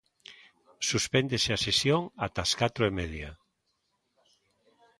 Suspéndese a sesión ata as catro e media.